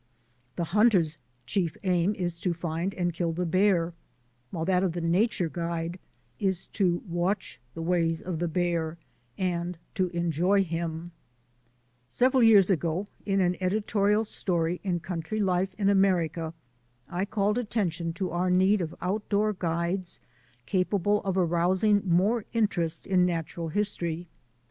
The hunter's chief aim is to find and kill the bear, while that of THE EVOLUTION OF NATURE GUIDING 245 the nature guide is to watch the ways of the hear and to enjoy him. Some years ago in an editorial story in Country Life in America I called attention to our need of outdoor guides capable of arousing more interest in natural history.